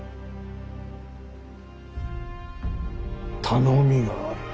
頼みがある。